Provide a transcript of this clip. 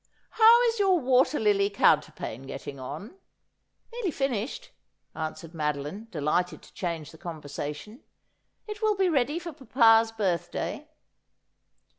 ' How is your water lily counterpane getting on ?'' Nearly finished,' answered Madoline, delighted to change the conversation. ' It will be ready for papa's birthday.'